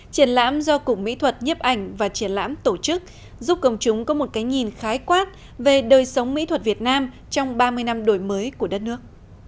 triển lãm do cục mỹ thuật nhếp ảnh và triển lãm tổ chức giúp công chúng có một cái nhìn khái quát về đời sống mỹ thuật việt nam trong ba mươi năm đổi mới của đất nước